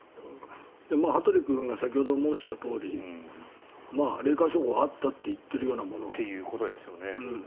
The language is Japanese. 羽鳥君が先ほど申したとおりまあ、霊感商法はあったって言っているようなもの。ということですよね。